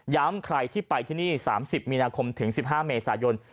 ใครที่ไปที่นี่๓๐มีนาคมถึง๑๕เมษายน